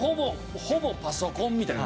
ほぼパソコンみたいな？